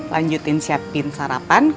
lanjutin siapin sarapan